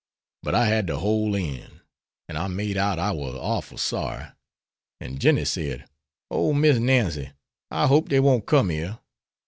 But I had to hole in. An' I made out I war orful sorry. An' Jinny said, 'O Miss Nancy, I hope dey won't come yere.'